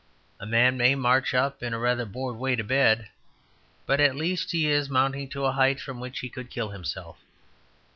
A man may march up in a rather bored way to bed; but at least he is mounting to a height from which he could kill himself.